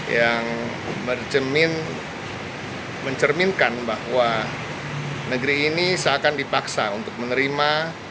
yang mencerminkan bahwa negeri ini seakan dipaksa untuk menerima